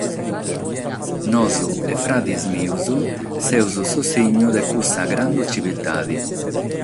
Nois e frades mios semus su sinnu de cussa grandu tziviltade.